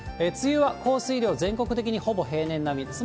梅雨は降水量、全国的にほぼ平年並み。